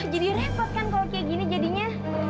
jadi repot kan kalo kaya gini jadinya